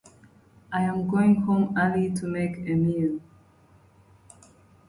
She is interred in Meadowlawn Memorial Park in San Antonio, Texas.